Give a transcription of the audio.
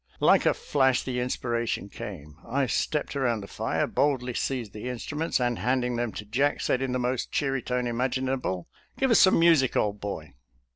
Like a flash the inspiration came; I stepped around the fire, boldly seized the instruments, and handing them to Jack, said in the most cheery tone imaginable, " Give us some music, old boy."